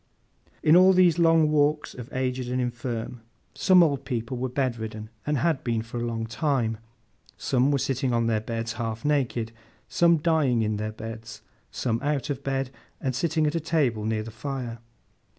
In all of these Long Walks of aged and infirm, some old people were bedridden, and had been for a long time; some were sitting on their beds half naked; some dying in their beds; some out of bed, and sitting at a table near the fire.